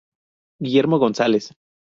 Guillermo González.